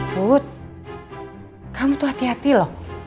put kamu tuh hati hati loh